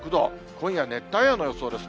今夜、熱帯夜の予想です。